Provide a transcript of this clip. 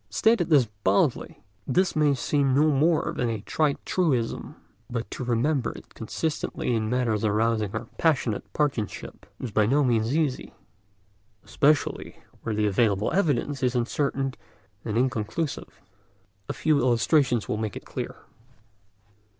Stated thus baldly, this may seem no more than a trite truism. But to remember it consistently in matters arousing our passionate partisanship is by no means easy, especially where the available evidence is uncertain and inconclusive. A few illustrations will make this clear.